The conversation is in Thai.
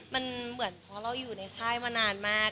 มันเหมือนเพราะเราอยู่ในค่ายมานานมาก